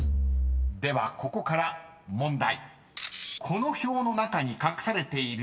［ではここから問題］